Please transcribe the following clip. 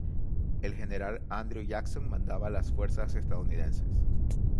El general Andrew Jackson mandaba las fuerzas estadounidenses.